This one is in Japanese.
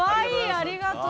ありがとう！